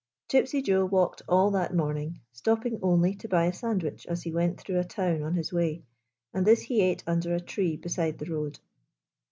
Gypsy Joe walked all that morning, stopping only to buy a sandwich as he went through a town on his way, and this he ate under a tree beside the road.